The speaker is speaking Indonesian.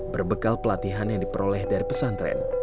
berbekal pelatihan yang diperoleh dari pesantren